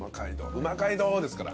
うま街道ですから。